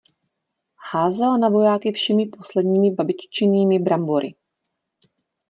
Házela na vojáky všemi posledními babiččinými brambory.